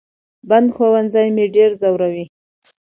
بند ښوونځي مې ډېر زوروي